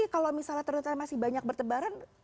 kalau misalnya ternyata masih banyak bertebaran